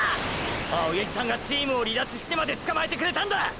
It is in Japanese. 青八木さんがチームを離脱してまでつかまえてくれたんだ！！